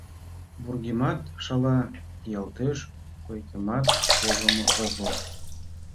Вургемат шала кийылтеш, койкымат погымо огыл.